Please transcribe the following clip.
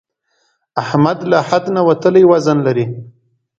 احمد له حد نه وتلی وزن لري.